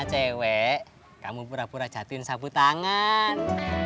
cewek kamu pura pura jatuhin sabu tangan